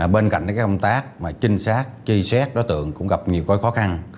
bên cạnh công tác chính xác chi xét đối tượng cũng gặp nhiều khó khăn